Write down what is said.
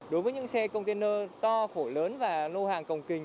đối với những xe container to khổ lớn và lô hàng cồng kình